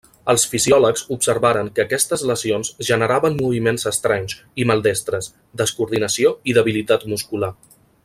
Els fisiòlegs observaren que aquestes lesions generaven moviments estranys i maldestres, descoordinació i debilitat muscular.